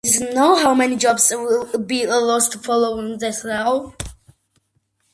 It is not known how many jobs will be lost following the sale.